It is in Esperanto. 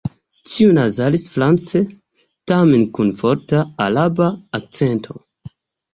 Tiu nazalis France tamen kun forta Araba akĉento.